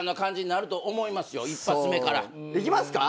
いきますか？